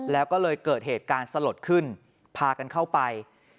แล้วก็เลยเกิดเหตุการณ์สลดขึ้นพากันเข้าไป